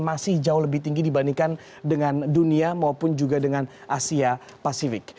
masih jauh lebih tinggi dibandingkan dengan dunia maupun juga dengan asia pasifik